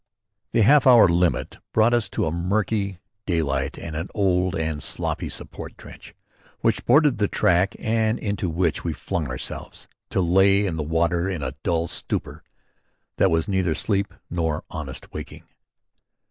] The half hour limit brought us to a murky daylight and an old and sloppy support trench which bordered the track and into which we flung ourselves, to lay in the water in a dull stupor that was neither sleep nor honest waking.